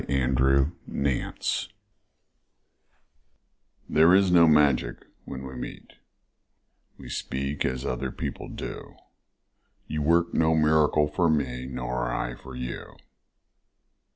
After Love THERE is no magic when we meet, We speak as other people do, You work no miracle for me Nor I for you.